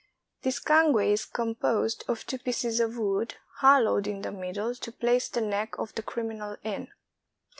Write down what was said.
This cangue is composed of two pieces of wood, hollowed in the middle to place the neck of the criminal in.